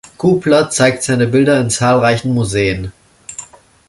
Gubler zeigte seine Bilder in zahlreichen Museen.